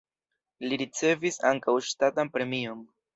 Li ricevis ankaŭ ŝtatan premion.